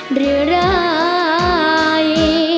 หรือร้าย